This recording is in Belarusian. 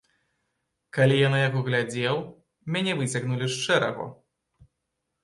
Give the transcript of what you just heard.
Калі я на яго глядзеў, мяне выцягнулі з шэрагу.